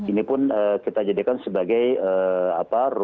ini pun kita jadikan sebagai penjjal pekerja